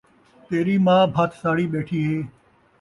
تیݙی ماء بھت ساڑی ٻیٹھی ہے